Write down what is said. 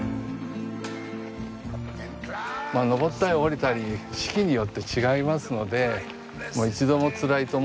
登ったり下りたり四季によって違いますので一度もつらいと思ったこともないですね。